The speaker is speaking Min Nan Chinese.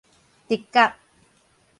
直覺